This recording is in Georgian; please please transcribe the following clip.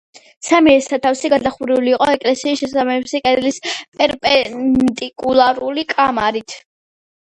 სამივე სათავსი გადახურული იყო ეკლესიის შესაბამისი კედლის პერპენდიკულარული კამარით.